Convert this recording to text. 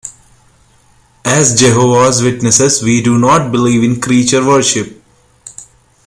As Jehovah's Witnesses we do not believe in creature worship...